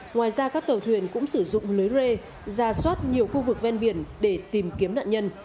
ngoài ra các tàu thuyền cũng sử dụng lưới rê ra soát nhiều khu vực ven biển để tìm kiếm nạn nhân